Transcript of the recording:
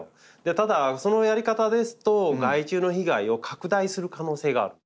ただそのやり方ですと害虫の被害を拡大する可能性がある。